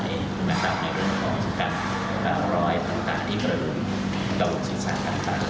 ในเรื่องของการรอยต่างที่เกิดกระดูกสินสารต่าง